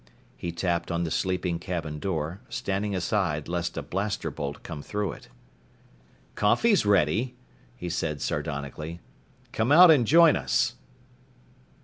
He tapped on the sleeping cabin door, standing aside lest a blaster bolt come through it. "Coffee's ready," he said sardonically. "Come out and join us."